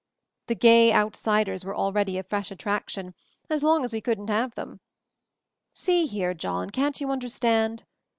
The gay outsiders were always a fresh attraction — as long as we couldn't have them. ..• See here, John, can't you understand?